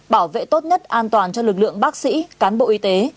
bảo vệ tốt nhất an toàn cho lực lượng bác sĩ cán bộ y tế